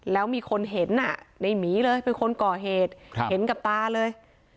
แล้วมีคนเห็นในหมีเลยเป็นคนก่อเหตุเห็นกับตาเลย